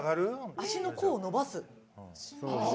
足の甲を伸ばす？